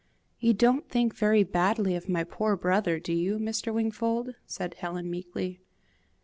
"You don't think very badly of my poor brother, do you, Mr. Wingfold?" said Helen, meekly.